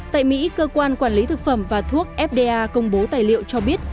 tại mỹ cơ quan quản lý thực phẩm và thuốc fda công bố tài liệu cho biết